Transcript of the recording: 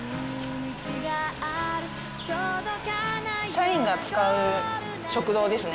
社員が使う食堂ですね。